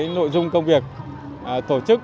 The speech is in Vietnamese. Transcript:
nội dung công việc tổ chức